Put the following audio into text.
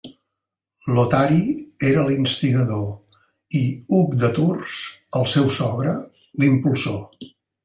Lotari era l'instigador i Hug de Tours, el seu sogre, l'impulsor.